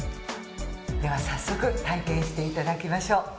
では早速体験していただきましょう。